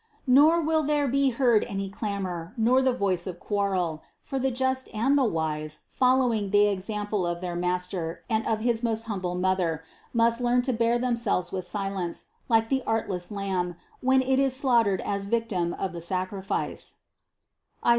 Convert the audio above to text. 257. Nor will there be heard any clamor, nor the voice of quarrel; for the just and the wise, following the example of their Master and of his most humble Mother, must learn to bear themselves with silence, like the artless lamb, when it is slaughtered as victim of the sacrifice (Is.